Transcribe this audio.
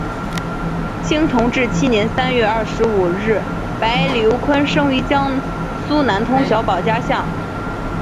清同治七年三月二十五日白毓昆生于江苏南通小保家巷。